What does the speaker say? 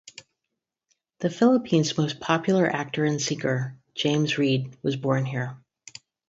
The Philippine's most popular actor and singer James Reid was born here.